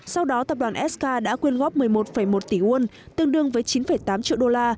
sau đó tập đoàn sk đã quyên góp một mươi một một tỷ won tương đương với chín tám triệu đô la